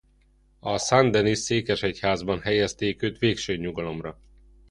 A Saint-Denis-székesegyházban helyezték őt végső nyugalomra.